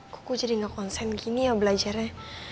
kok jadi ga konsen gini ya belajarnya